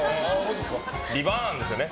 ビバーンですよね。